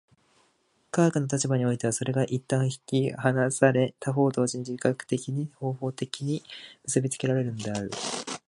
科学の立場においてはそれが一旦引き離され、他方同時に自覚的に、方法的に結び付けられるのである。